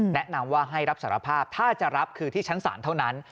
แนะนำว่าให้รับสารภาพถ้าจะรับคือที่ชั้นศาลเท่านั้น